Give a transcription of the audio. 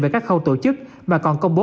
về các khâu tổ chức mà còn công bố